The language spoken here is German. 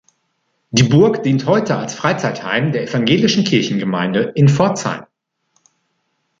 Die Burg dient heute als Freizeitheim der evangelischen Kirchengemeinde in Pforzheim.